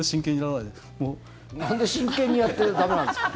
なんで真剣にやって駄目なんですか。